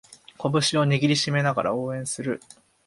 拳を握りしめながら応援する